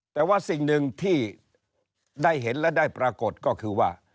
แต่ว่าสิ่งหนึ่งที่ได้เห็นและได้ปรากฏก็คือว่า